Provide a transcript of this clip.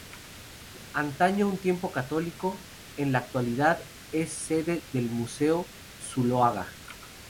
Antaño un templo católico, en la actualidad es sede del Museo Zuloaga.